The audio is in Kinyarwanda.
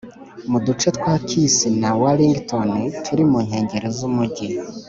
Mu duce twa Kissy na Wellington turi mu nkengero z umugi